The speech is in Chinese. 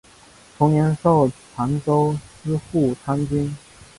同年授澶州司户参军。